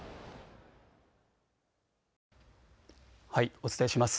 お伝えします。